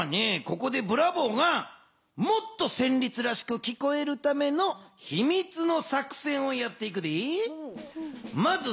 ここでブラボーがもっとせんりつらしくきこえるためのひみつの作戦をやっていくで。